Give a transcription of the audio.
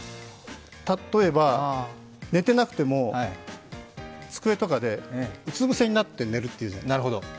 例えば、寝てなくても机とかでうつ伏せになって寝るっていうじゃないですか。